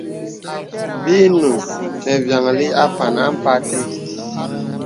Bì nùŋ nə vyàŋli àpàŋ ampa te.